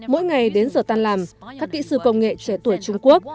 mỗi ngày đến giờ tan làm các kỹ sư công nghệ trẻ tuổi trung quốc